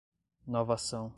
novação